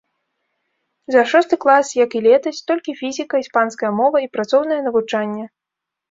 За шосты клас, як і летась, толькі фізіка, іспанская мова і працоўнае навучанне.